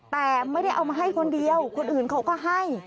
แต่ไม่ได้เอามาให้คนเดียวคนอื่นเขาก็ให้